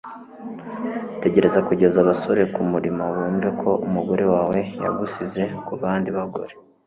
Tegereza kugeza abasore kumurimo bumve ko umugore wawe yagusize kubandi bagore